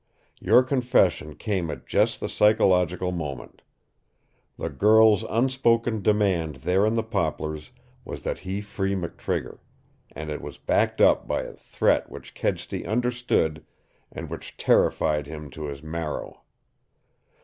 Your confession came at just the psychological moment. The girl's unspoken demand there in the poplars was that he free McTrigger, and it was backed up by a threat which Kedsty understood and which terrified him to his marrow.